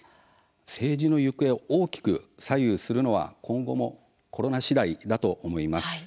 政治の行方を大きく左右するのは今後もコロナしだいだと思います。